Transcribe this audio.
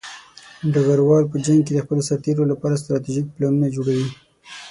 ډګروال په جنګ کې د خپلو سرتېرو لپاره ستراتیژیک پلانونه جوړوي.